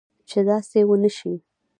چې داسي و نه شي